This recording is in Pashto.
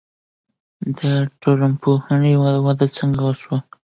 د ټولنپوهنې وده څنګه وسوه؟